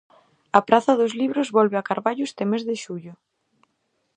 A Praza dos Libros volve a Carballo este mes de xullo.